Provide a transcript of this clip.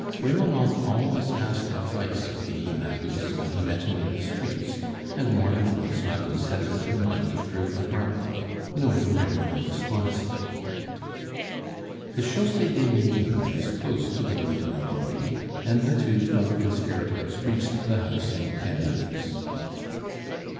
Remonencq always asked advice of Elie Magus when he met him in the streets; and more than once Magus had lent him money through Abramko, knowing Remonencq's honesty. The Chaussee des Minimes is close to the Rue de Normandie, and the two fellow conspirators reached the house in ten minutes.